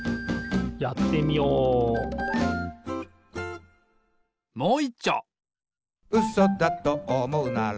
やってみようもういっちょ！